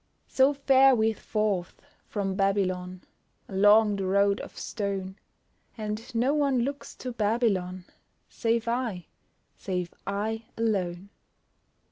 So fare we forth from Babylon, Along the road of stone; And no one looks to Babylon Save I save I alone!